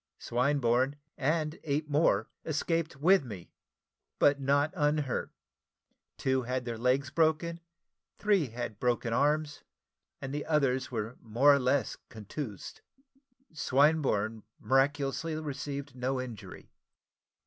Swinburne, and eight more, escaped with me, but not unhurt: two had their legs broken, three had broken arms, and the others were more or less contused. Swinburne miraculously received no injury.